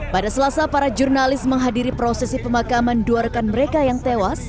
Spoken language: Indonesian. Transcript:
pada selasa para jurnalis menghadiri prosesi pemakaman dua rekan mereka yang tewas